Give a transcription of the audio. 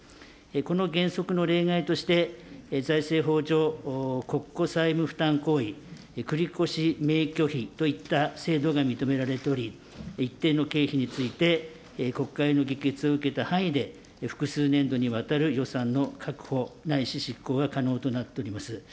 この原則の例外として、財政法上、国庫債務負担行為、繰り越しめいきょひといった制度が認められており、一定の経費について国会の議決を受けた範囲で、複数年度にわたる予算の確保ないし執行が可能となっております。